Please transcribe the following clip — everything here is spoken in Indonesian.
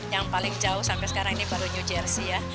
yang paling jauh sampai sekarang ini baru new jersey ya